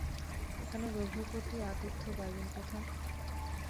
এখানে রঘুপতি আতিথ্য পাইবেন কোথায়!